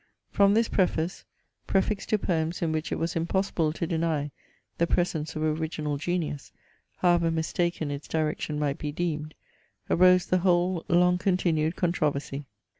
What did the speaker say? From this preface, prefixed to poems in which it was impossible to deny the presence of original genius, however mistaken its direction might be deemed, arose the whole long continued controversy.